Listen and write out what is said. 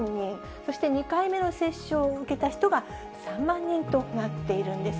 そして２回目の接種を受けた人が３万人となっているんです。